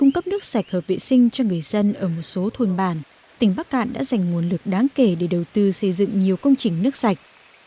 cung cấp nước sạch hợp vệ sinh cho người dân ở một số thôn bản tỉnh bắc cạn đã dành nguồn lực đáng kể để đầu tư xây dựng nhiều công trình nước sạch